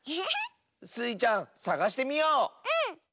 スイちゃんさがしてみよう！